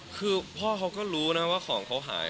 คือพ่อเขาก็รู้นะว่าของเขาหาย